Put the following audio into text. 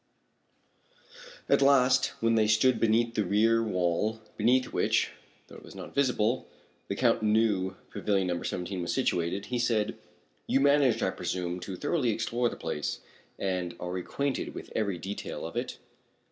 At last when they stood beneath the rear wall behind which, though it was not visible, the Count knew Pavilion No. 17 was situated, he said: "You managed, I presume, to thoroughly explore the place, and are acquainted with every detail of it?"